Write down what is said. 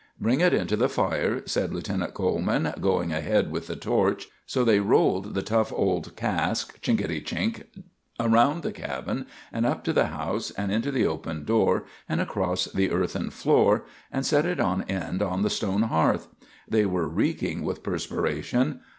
"Bring it in to the fire," said Lieutenant Coleman, going ahead with the torch. So they rolled the tough old cask, chink a ty chink, around the cabin and up to the house, into the open door and across the earthen floor, and set it on end on the stone hearth. They were reeking with perspiration.